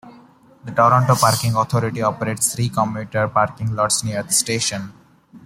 The Toronto Parking Authority operates three commuter parking lots near the station.